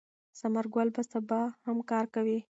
ثمر ګل به سبا هم کار کوي.